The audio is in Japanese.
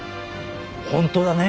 本当だね？